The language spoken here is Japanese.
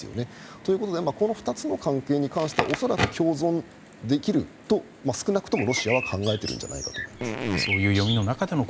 ということでこの２つの関係は恐らく共存できると少なくともロシアは考えているんじゃないかなと思います。